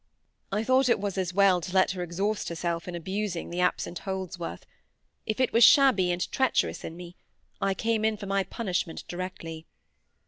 I thought it was as well to let her exhaust herself in abusing the absent Holdsworth; if it was shabby and treacherous in me, I came in for my punishment directly.